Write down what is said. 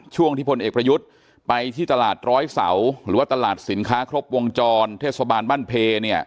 ช่วงที่พลเอกประยุทธ์ไปที่ตลาดร้อยเสาหรือว่าตลาดสินค้าครบวงจรเทศบาลบ้านเพเนี่ย